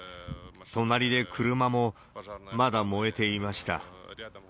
隣で車もまだ燃えていました。